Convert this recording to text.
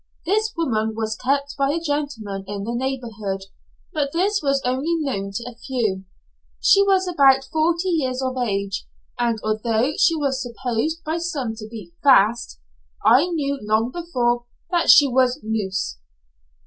This woman was kept by a gentleman in the neighbourhood, but this was only known to a few. She was about forty years of age, and although she was supposed by some to be 'fast,' I knew long before that she was 'loose.'